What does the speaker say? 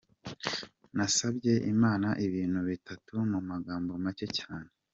Nasabye Imana ibintu bitatu mu magambo make cyane.